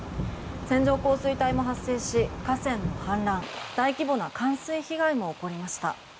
線状降水帯も発生し河川の氾濫大規模な冠水被害も起こりました。